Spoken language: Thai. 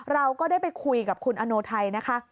เราก็ได้ไปคุยกับคุณอโนไทยนะคะ